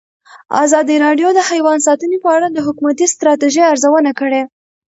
ازادي راډیو د حیوان ساتنه په اړه د حکومتي ستراتیژۍ ارزونه کړې.